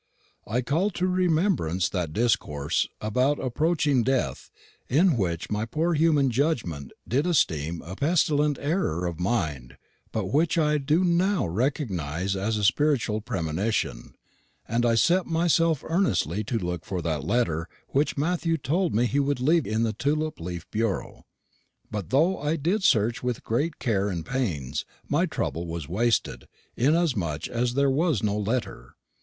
I called to remembrance that discourse about approaching death which in my poor human judgment I did esteem a pestilent error of mind, but which I do now recognise as a spiritual premonition; and I set myself earnestly to look for that letter which Matthew told me he would leave in the tulip leaf bureau. But though I did search with great care and pains, my trouble was wasted, inasmuch as there was no letter.